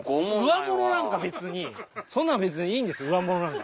上物なんか別にそんなの別にいいんです上物なんか。